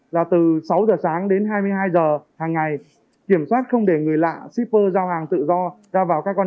là từ sáu giờ sáng đến hai mươi hai h hàng ngày kiểm soát không để người lạ shipper giao hàng tự do ra vào các con